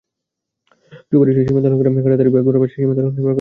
সুপারিশে সীমান্ত এলাকায় কাঁটাতারের বেড়ার পাশে সীমান্ত সড়ক নির্মাণের কথাও বলা হয়।